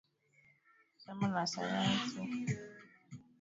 Somo la sayansi.